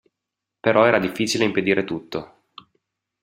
Però era difficile impedire tutto.